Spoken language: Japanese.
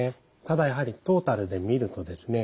ただやはりトータルで見るとですね